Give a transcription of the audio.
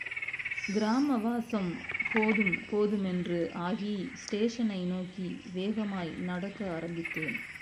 கிராமவாசம் போதும் போதுமென்று ஆகி ஸ்டேஷனை நோக்கி வேகமாய் நடக்க ஆரம்பித்தேன்.